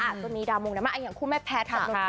อาจจะมีดรามงงดราม่าอย่างคู่แม่แพทย์กับโรคทีนี้